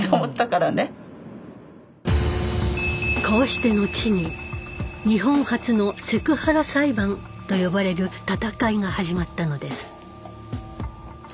こうして後に「日本初のセクハラ裁判」と呼ばれる闘いが始まったのです。